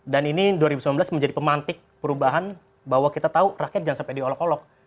dan ini dua ribu sembilan belas menjadi pemantik perubahan bahwa kita tahu rakyat jangan sampai diolok olok